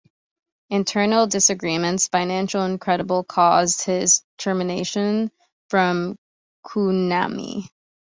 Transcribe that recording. Internal disagreements, financial and credible, caused his termination from Konami.